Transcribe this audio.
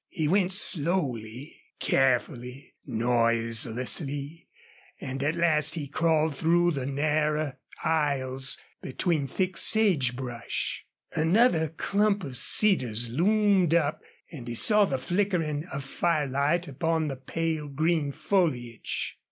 He went slowly, carefully, noiselessly, and at last he crawled through the narrow aisles between thick sage brush. Another clump of cedars loomed up, and he saw the flickering of firelight upon the pale green foliage.